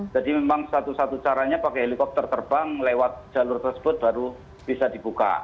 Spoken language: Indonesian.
jadi memang satu satu caranya pakai helikopter terbang lewat jalur tersebut baru bisa dibuka